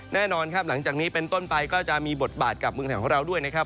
แน่นอนครับหลังจากนี้เป็นต้นไปก็จะมีบทบาทกับเมืองไทยของเราด้วยนะครับ